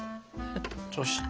そして。